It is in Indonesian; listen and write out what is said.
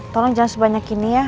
tolong jangan sebanyak ini ya